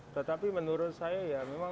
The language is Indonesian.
tetapi menurut saya ya memang